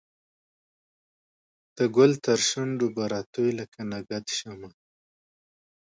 د ګل ترشو نډو به راتوی لکه نګهت شمه